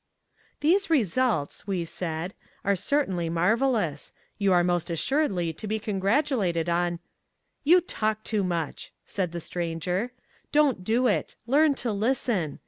"These results," we said, "are certainly marvellous. "You are most assuredly to be congratulated on " "You talk too much," said the Stranger. "Don't do it. Learn to listen.